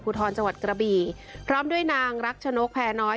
ทรจังหวัดกระบี่พร้อมด้วยนางรักชนกแพรน้อย